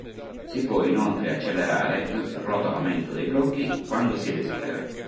Si può inoltre accelerare il rotolamento dei blocchi quando si desidera.